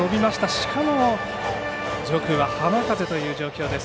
しかも上空は浜風という状況です。